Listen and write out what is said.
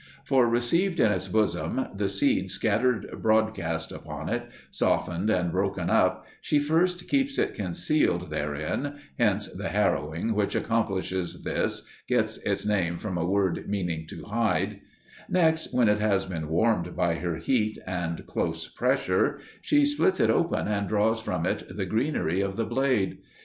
For received in its bosom the seed scattered broadcast upon it, softened and broken up, she first keeps it concealed therein (hence the harrowing which accomplishes this gets its name from a word meaning "to hide"); next, when it has been warmed by her heat and close pressure, she splits it open and draws from it the greenery of the blade.